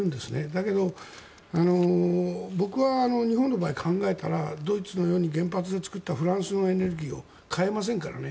だけど、僕は日本の場合、考えたらドイツのように原発で作ったエネルギーを買えませんからね。